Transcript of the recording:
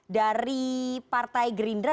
dari partai gerindra